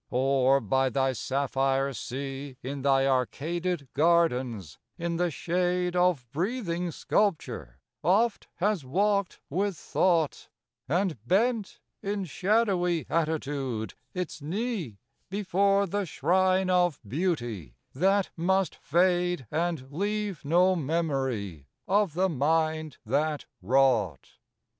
Or by thy sapphire sea, In thy arcaded gardens, in the shade Of breathing sculpture, oft has walked with thought, And bent, in shadowy attitude, its knee Before the shrine of Beauty that must fade And leave no memory of the mind that wrought.